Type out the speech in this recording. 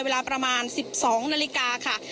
เวลาประมาณ๑๒นาฬิกาค่ะ